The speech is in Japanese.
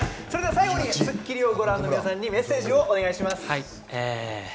最後に『スッキリ』をご覧の皆さんにメッセージをお願いします。